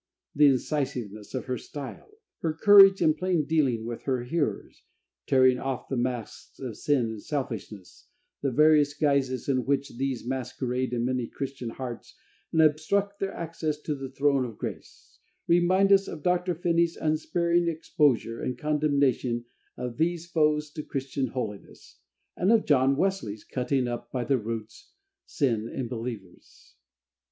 The incisiveness of her style, her courage and plain dealing with her hearers, tearing off the masks of sin and selfishness, the various guises in which these masquerade in many Christian hearts and obstruct their access to a throne of grace, remind us of Dr. Finney's unsparing exposure and condemnation of these foes to Christian holiness, and of John Wesley's cutting up by the roots "Sin in Believers."